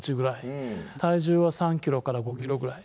体重は３ｋｇから５ｋｇぐらい。